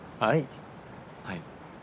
はい。